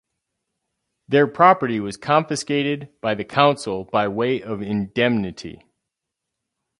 Their property was confiscated by the council by way of indemnity.